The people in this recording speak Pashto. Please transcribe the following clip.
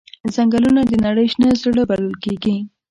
ځنګلونه د نړۍ شنه زړه بلل کېږي.